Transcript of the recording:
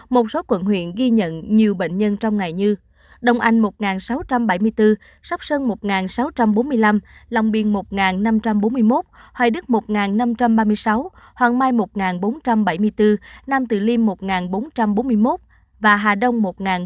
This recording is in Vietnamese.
một số quận huyện ghi nhận nhiều bệnh nhân trong ngày như đông anh một sáu trăm bảy mươi bốn sóc sơn một sáu trăm bốn mươi năm long biên một năm trăm bốn mươi một hoài đức một năm trăm ba mươi sáu hoàng mai một bốn trăm bảy mươi bốn nam từ liêm một nghìn bốn trăm bốn mươi một và hà đông một nghìn chín trăm bốn mươi năm